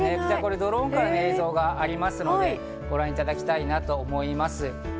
ドローンからの映像があるので、ご覧いただきたいなと思います。